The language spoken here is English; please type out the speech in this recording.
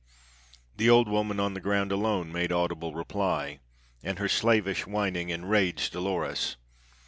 The old woman on the ground alone made audible reply, and her slavish whining enraged Dolores.